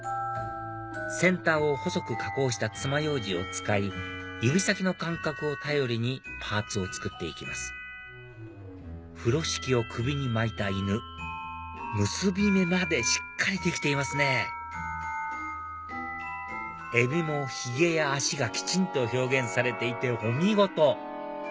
先端を細く加工したつまようじを使い指先の感覚を頼りにパーツを作って行きます風呂敷を首に巻いた犬結び目までしっかりできていますねエビもひげや脚がきちんと表現されていてお見事！